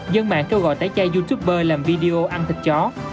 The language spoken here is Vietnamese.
dân mạng kêu gọi tái chơi youtuber làm video ăn thịt chó